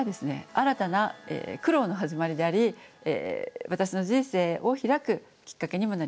新たな苦労の始まりであり私の人生を開くきっかけにもなりました。